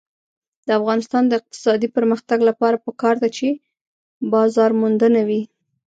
د افغانستان د اقتصادي پرمختګ لپاره پکار ده چې بازارموندنه وي.